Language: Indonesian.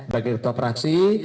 bagi ketua praksi